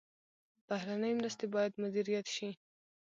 بهرنۍ مرستې باید مدیریت شي